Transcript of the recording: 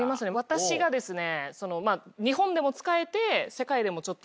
私がですね。